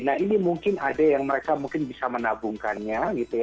nah ini mungkin ada yang mereka bisa menabungkannya